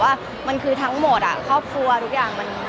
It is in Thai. มันเป็นเรื่องน่ารักที่เวลาเจอกันเราต้องแซวอะไรอย่างเงี้ย